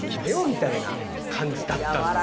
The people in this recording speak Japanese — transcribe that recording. みたいな感じだったんですよ。